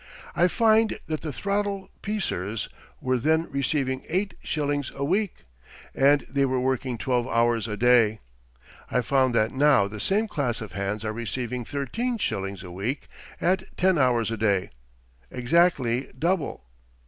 I find that the throttle piecers were then receiving eight shillings a week, and they were working twelve hours a day. I find that now the same class of hands are receiving thirteen shillings a week at ten hours a day exactly double.